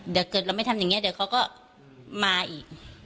เดี๋ยวเกิดเราไม่ทำอย่างนี้เดี๋ยวเขาก็มาอีก